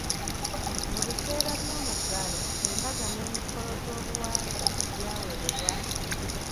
Mu biseera by'omuggalo, embaga n'emikolo gy'obuwangwa byawerebwa.